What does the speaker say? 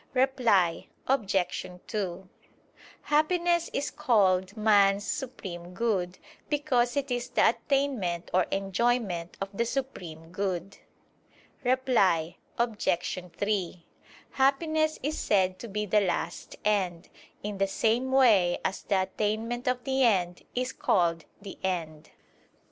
Reply Obj. 2: Happiness is called man's supreme good, because it is the attainment or enjoyment of the supreme good. Reply Obj. 3: Happiness is said to be the last end, in the same way as the attainment of the end is called the end.